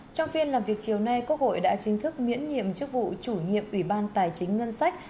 trong phiên làm việc chiều nay quốc hội đã chính thức miễn nhiệm chức vụ chủ nhiệm ủy ban tài chính ngân sách